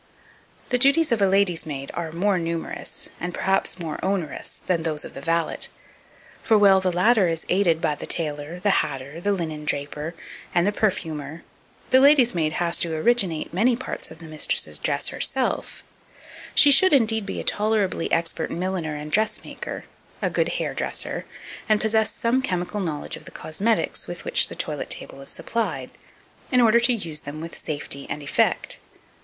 2243. The duties of a lady's maid are more numerous, and perhaps more onerous, than those of the valet; for while the latter is aided by the tailor, the hatter, the linen draper, and the perfumer, the lady's maid has to originate many parts of the mistress's dress herself: she should, indeed, be a tolerably expert milliner and dressmaker, a good hairdresser, and possess some chemical knowledge of the cosmetics with which the toilet table is supplied, in order to use them with safety and effect.